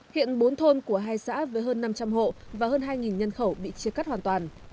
hiện bốn thôn của hai xã với hơn năm trăm linh hộ và hơn hai nhân khẩu bị chia cắt hoàn toàn